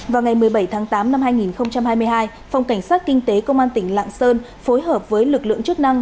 vào ngày một mươi bảy tháng tám năm hai nghìn hai mươi hai phòng cảnh sát kinh tế công an tỉnh lạng sơn phối hợp với lực lượng chức năng